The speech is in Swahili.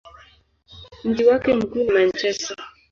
Mji wake mkuu ni Manchester.